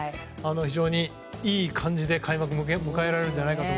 非常にいい感じで開幕を迎えられるんじゃないかと。